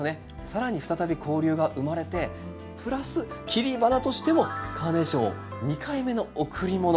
更に再び交流が生まれてプラス切り花としてもカーネーションを２回目の贈り物。